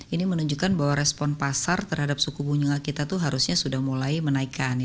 ini menunjukkan bahwa respon pasar terhadap suku bunga kita itu harusnya sudah mulai menaikkan